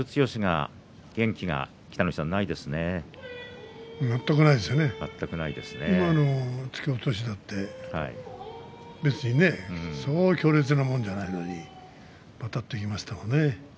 今の突き落としだって、別にねそんなに強烈なものじゃないのにべたっといきましたね。